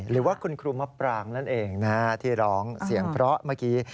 หรือว่าคุณครูมะปรางนั่นเองที่ร้องเสียงเพราะเมื่อกี้